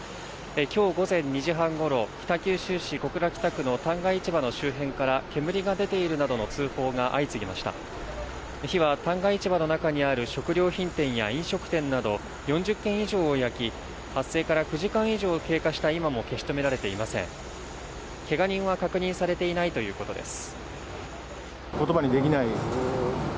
きょう午前２時半ごろ北九州市小倉北区の旦過市場の周辺から煙が出ているなどの通報が相次ぎました旦過市場の中にある食料品店や飲食店など４０軒以上を焼き発生から９時間以上経過した今も消し止められていませんけが人は確認されていないということです